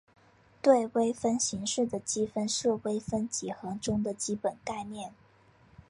对微分形式的积分是微分几何中的基本概念。